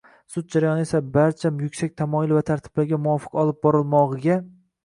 sud jarayoni esa barcha yuksak tamoyil va tartiblarga muvofiq olib borilmog‘iga